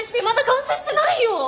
まだ完成してないよ。